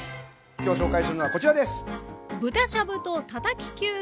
今日紹介するのはこちらです！